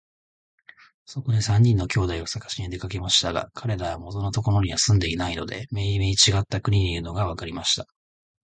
そこで三人の兄弟をさがしに出かけましたが、かれらは元のところには住んでいないで、めいめいちがった国にいるのがわかりました。